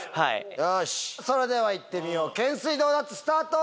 それでは行ってみよう懸垂ドーナツスタート！